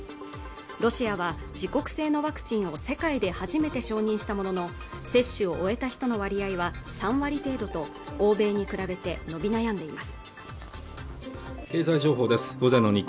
ロシアは自国製のワクチンを世界で初めて承認したものの接種を終えた人の割合は３割程度と欧米に比べて伸び悩んでいます